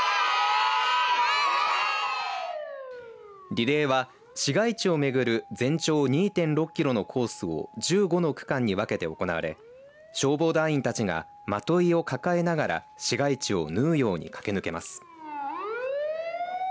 リレーは市街地をめぐる全長２．６キロのコースを１５の区間に分けて行われ消防団員たちがまといを抱えながら市街地を縫うように駆け抜けます。